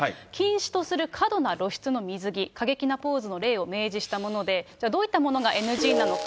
禁止とする過度な露出の水着、過激なポーズの例を明示したもので、じゃあ、どういったものがＮＧなのか。